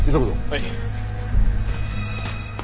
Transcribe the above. はい。